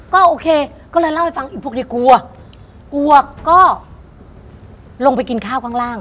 ก็โอเคก็เลยเล่าให้ฟังอีกพวกนี้กลัวอวกก็ลงไปกินข้าวข้างล่าง